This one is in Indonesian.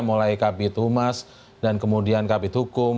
mulai kapit hukum